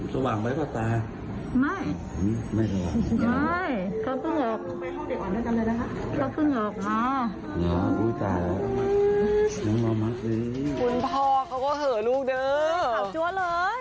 สาบจัวเลย